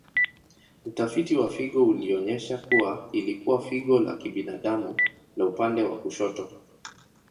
Utafiti wa figo ulionyesha kuwa ilikuwa figo la kibinadamu la upande wa kushoto.